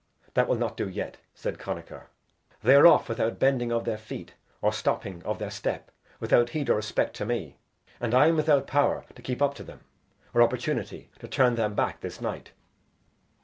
that will not do yet," said Connachar. "They are off without bending of their feet or stopping of their step, without heed or respect to me, and I am without power to keep up to them, or opportunity to turn them back this night."